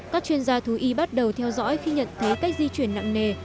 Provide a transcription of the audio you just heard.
các chuyên gia thú y bắt đầu theo dõi khi nhận thấy cách di chuyển nặng nề